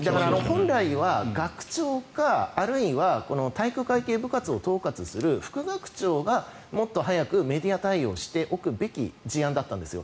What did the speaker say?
本来は学長か体育会系部活を統括する副学長がもっと早くメディア対応しておくべき事案だったんですよ。